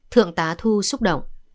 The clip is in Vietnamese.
thượng tá thu xúc động